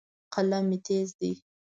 قلم مې تیز دی.